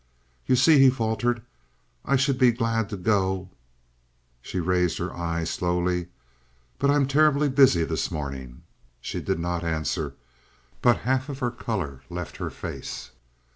"You see," he faltered, "I should be glad to go " She raised her eyes slowly. "But I am terribly busy this morning." She did not answer, but half of her color left her face.